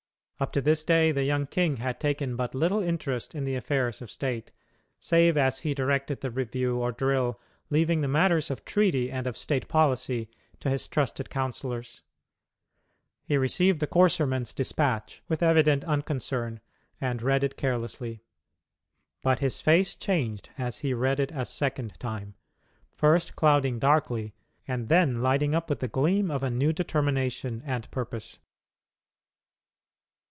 Up to this day the young king had taken but little interest in the affairs of state, save as he directed the review or drill, leaving the matters of treaty and of state policy to his trusted councillors. He received the courserman's despatch with evident unconcern, and read it carelessly. But his face changed as he read it a second time; first clouding darkly, and then lighting up with the gleam of a new determination and purpose.